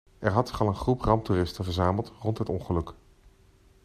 Er had zich al een groep ramptoeristen verzameld rond het ongeluk.